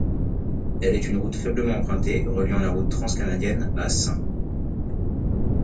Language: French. Elle est une route faiblement empruntée, reliant la Route Transcanadienne à St.